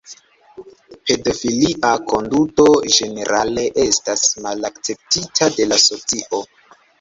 Pedofilia konduto ĝenerale estas malakceptita de la socio.